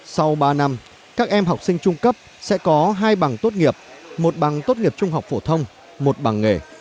sau ba năm các em học sinh trung cấp sẽ có hai bằng tốt nghiệp một bằng tốt nghiệp trung học phổ thông một bằng nghề